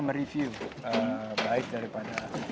mereview baik daripada